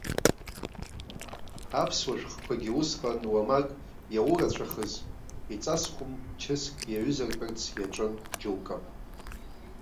Аԥсуа шәҟәқәагьы усҟан уамак иаурацәахыз, иҵасхәым чыск иаҩызартәырц иаҿын џьоукы.